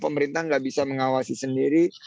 pemerintah nggak bisa mengawasi sendiri